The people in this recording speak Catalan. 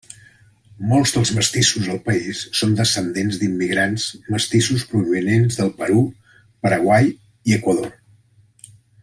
Molts dels mestissos al país són descendents d'immigrants mestissos provinents del Perú, Paraguai i Equador.